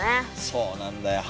そうなんだよ。